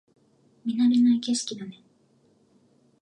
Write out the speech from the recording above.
見慣れない景色だね